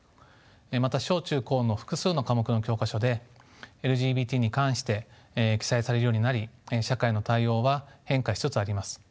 また小中高の複数の科目の教科書でＬＧＢＴに関して記載されるようになり社会の対応は変化しつつあります。